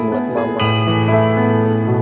tanpa batas waktu